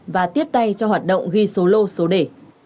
và tiếp tay cho hoạt động ghi số lô số đề